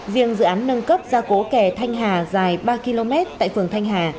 riêng dự án nâng cấp gia cố kè thanh hà dài ba km tại phường thanh hà